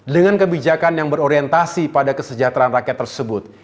dengan kebijakan yang berorientasi pada kesejahteraan rakyat tersebut